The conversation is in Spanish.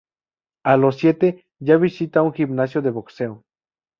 A los siete, ya visita un gimnasio de boxeo.